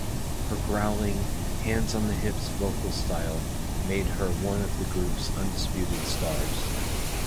Her growling, hands-on-the-hips vocal style made her one of the group's undisputed stars.